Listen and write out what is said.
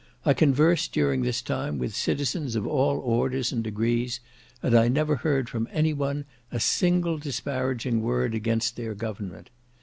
I conversed during this time with citizens of all orders and degrees, and I never heard from any one a single disparaging word against their government.